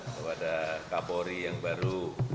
saya sudah sampaikan kepada kapolri yang baru